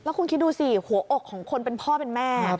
คุณคิดดูสิหัวอกของคนเป็นพ่อเป็นแม่